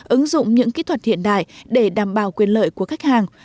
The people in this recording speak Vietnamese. ứng dụng những kỹ thuật hiện đại để đảm bảo quyền lợi của khách hàng